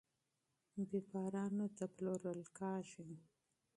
بېپارانو ته پلورل کیږي.